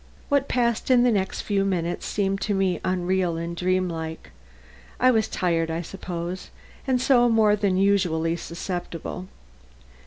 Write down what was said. What passed in the next few minutes seemed to me unreal and dreamlike. I was tired, I suppose, and so more than usually susceptible.